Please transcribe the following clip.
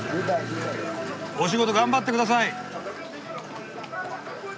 お仕事頑張ってください！